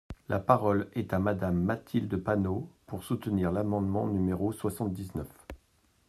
La parole est à Madame Mathilde Panot, pour soutenir l’amendement numéro soixante-dix-neuf.